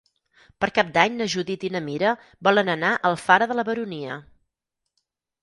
Per Cap d'Any na Judit i na Mira volen anar a Alfara de la Baronia.